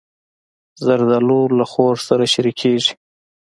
زردالو له خور سره شریکېږي.